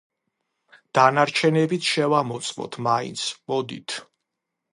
დანარჩენებიც შევამოწმოთ მაინც, მოდით.